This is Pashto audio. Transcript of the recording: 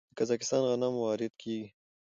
د قزاقستان غنم وارد کیږي.